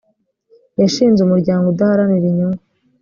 yashinze umuryango udaharanira inyungu